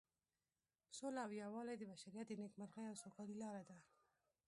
سوله او یووالی د بشریت د نیکمرغۍ او سوکالۍ لاره ده.